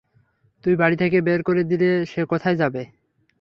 তুই বাড়ি থেকে বের করে দিলে সে কোথায় যাবে?